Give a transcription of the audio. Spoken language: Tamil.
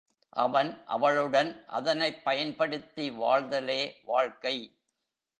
அவன் அவளுடன் அதனைப் பயன்படுத்தி வாழ்தலே வாழ்க்கை.